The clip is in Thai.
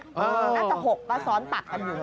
อ้าวน่าจะหกประซ้อนปักกันอยู่